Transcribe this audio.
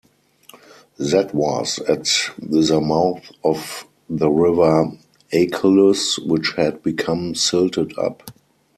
That was at the mouth of the river Achelous, which had become silted up.